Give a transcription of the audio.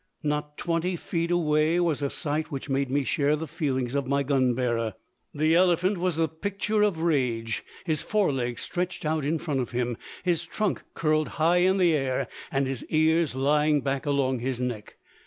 Not twenty feet away was a sight which made me share the feelings of my gun bearer. The elephant was the picture of rage; his forelegs stretched out in front of him, his trunk curled high in the air, and his ears lying back along his neck.